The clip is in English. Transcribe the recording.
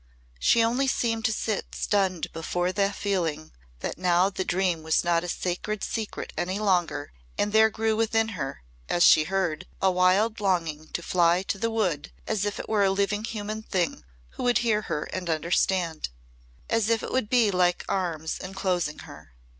She only seemed to sit stunned before the feeling that now the dream was not a sacred secret any longer and there grew within her, as she heard, a wild longing to fly to the Wood as if it were a living human thing who would hear her and understand as if it would be like arms enclosing her.